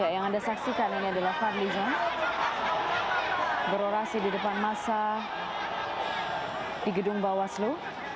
yang anda saksikan ini adalah fadli zon berorasi di depan masa di gedung bawaslu